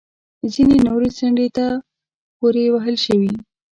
ځینې نورې څنډې ته پورې وهل شوې